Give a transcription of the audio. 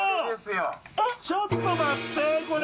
ちょっと待って、これ。